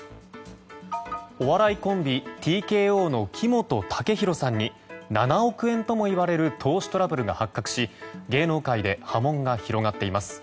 お笑いコンビＴＫＯの木本武宏さんに７億円ともいわれる投資トラブルが発覚し芸能界で波紋が広がっています。